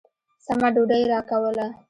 سمه ډوډۍ يې راکوله.